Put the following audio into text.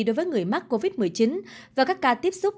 đối với người mắc covid một mươi chín và các ca tiếp xúc